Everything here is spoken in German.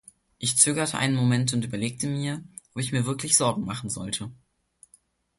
Ich zögerte einen Moment und überlegte mir, ob ich mir wirklich Sorgen machen sollte.